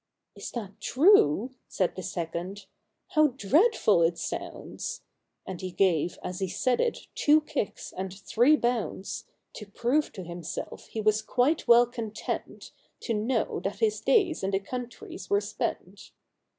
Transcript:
"Is that true!" said the second: u How dreadful it sounds !" And he gave, as he said it, two kicks, and three hounds, To prove to himself he was quite well content To know that his days in the country were spent.